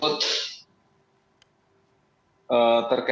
terkaitnya masalah itu saja